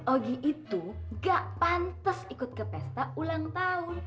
ogi itu gak pantas ikut ke pesta ulang tahun